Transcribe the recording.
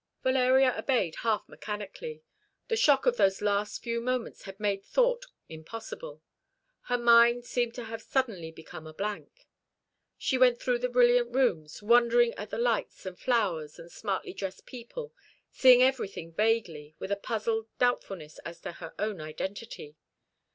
Valeria obeyed half mechanically. The shock of those last few moments had made thought impossible. Her mind seemed to have suddenly become a blank. She went through the brilliant rooms, wondering at the lights and flowers and smartly dressed people, seeing everything vaguely, with a puzzled doubtfulness as to her own identity.